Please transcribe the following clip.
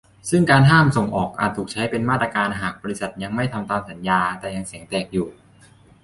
ซึ่งการห้ามส่งออกอาจถูกใช้เป็นมาตรการหากบริษัทยังไม่ทำตามสัญญา แต่เสียงยังแตกอยู่